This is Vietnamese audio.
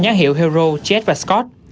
giám hiệu hero jet và scott